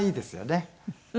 フフ。